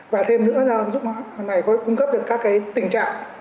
và thêm nữa là ứng dụng hà nội này có cung cấp được các cái tình trạng